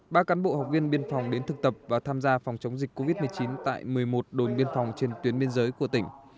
các cán bộ học viên tham gia thực tập và tham gia phòng chống dịch covid một mươi chín tại một mươi một đồn biên phòng trên tuyến biên giới của tỉnh